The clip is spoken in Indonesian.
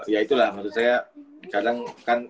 ya itulah menurut saya kadang kan